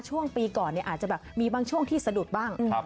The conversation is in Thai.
ช่วงปีก่อนอาจจะแบบมีบางช่วงที่สะดุดบ้าง